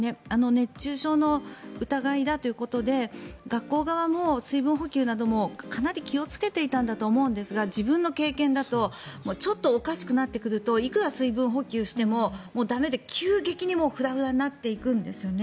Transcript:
熱中症の疑いだということで学校側も水分補給などもかなり気をつけていたんだと思うんですが自分の経験だとちょっとおかしくなってくるといくら水分補給してももう駄目で急激にフラフラになっていくんですよね。